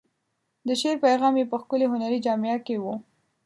د شعر پیغام یې په ښکلې هنري جامه کې و.